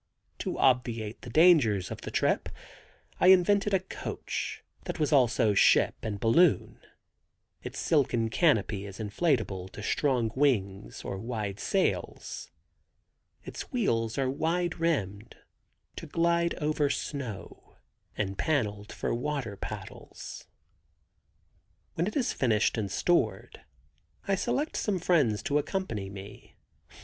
To obviate the dangers of the trip I invented a coach, that was also ship and balloon. Its silken canopy is inflatable to strong wings or wide sails. Its wheels are wide rimmed, to glide over snow, and paneled for water paddles. When it is finished and stored I select some friends to accompany me.